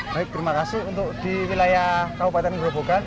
baik terima kasih untuk di wilayah kabupaten gerobogan